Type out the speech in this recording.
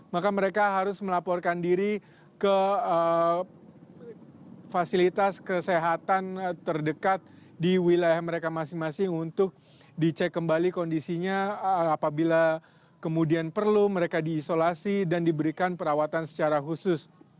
maka mereka harus melaporkan diri ke fasilitas kesehatan terdekat di wilayah mereka masing masing untuk dicek kembali kondisinya apabila kemudian perlu mereka diisolasi dan diberikan perawatan secara khusus